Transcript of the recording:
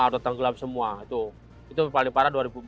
sudah tenggelam semua itu paling parah dua ribu empat